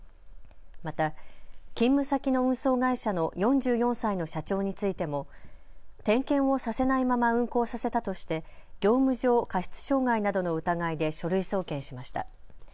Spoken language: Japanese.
また勤務先の運送会社の４４歳の社長についても点検をさせないまま運行させたとして業務上過失傷害などの疑いで書類送検しました。